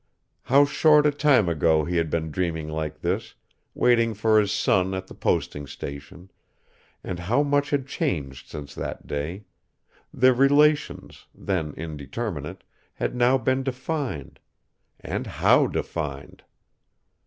How short a time ago he had been dreaming like this, waiting for his son at the posting station, and how much had changed since that day; their relations, then indeterminate, had now been defined and how defined!